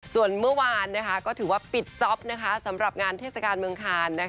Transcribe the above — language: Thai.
ส่วนเมื่อวานก็ถือว่าปิดจ๊อปสำหรับงานเทศกาลเมืองคาน